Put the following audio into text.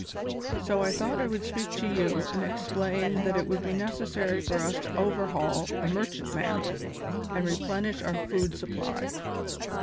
So I thought I would speak to you and explain that it would be necessary for us to overhaul a merchantman and replenish our food supply.